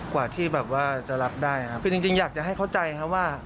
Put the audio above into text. กว่าที่แบบว่าจะรับได้ครับคือจริงอยากจะให้เข้าใจครับว่า